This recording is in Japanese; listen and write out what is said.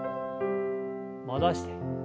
戻して。